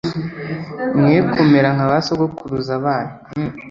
mwe kumera nka ba sogokuruza banyu